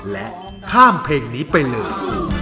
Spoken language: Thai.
และข้ามเพลงนี้ไปเลย